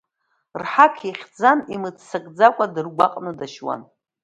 Рҳақ ихьӡан имыццакӡакәа дыргәаҟны дашьуан.